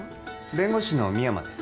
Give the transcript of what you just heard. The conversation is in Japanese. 弁護士の深山です